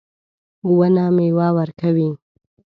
ونه میوه ورکوي